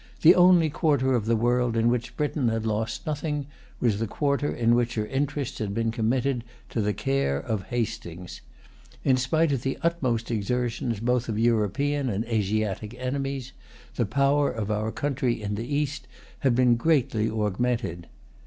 The only quarter of the world in which Britain had lost nothing was the quarter in which her interests had been committed to the care of Hastings. In spite of the utmost exertions both of European and Asiatic enemies, the power of our country in the East had been greatly augmented.